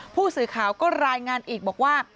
ผู้สื่อข่าวก็รายงานอีกบอกว่า